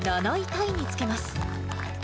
タイにつけます。